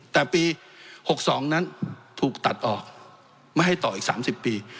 แต่ปี๖๒นั้นถูกตัดออกไม่ให้ต่ออีก๓๐ปี